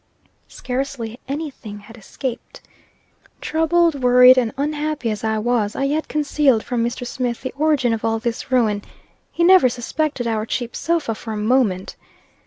Scarcely any thing had escaped. Troubled, worried, and unhappy as I was, I yet concealed from Mr. Smith the origin of all this ruin. He never suspected our cheap sofa for a moment.